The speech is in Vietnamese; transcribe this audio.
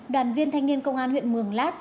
đoàn viên thanh niên công an huyện mường lát